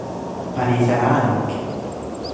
پریده رنگ